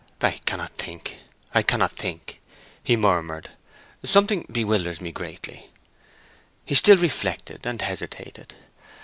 "I cannot think, I cannot think," he murmured. "Something bewilders me greatly." He still reflected and hesitated.